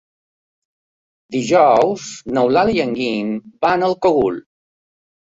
Dijous n'Eulàlia i en Guim van al Cogul.